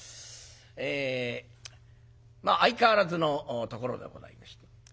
えまあ相変わらずのところでございまして。